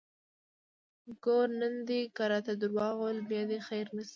ګوره نن دې که راته دروغ وويل بيا دې خير نشته!